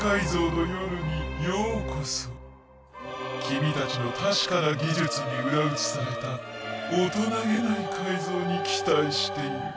君たちの確かな技術に裏打ちされた大人げない改造に期待している。